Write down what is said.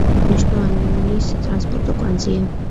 მნიშვნელოვანი სატრანსპორტო კვანძია.